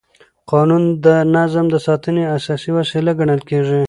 قانون د نظم د ساتنې اساسي وسیله ګڼل کېږي.